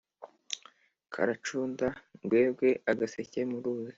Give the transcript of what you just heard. Karacunda ngwegwe-Agaseke mu ruzi.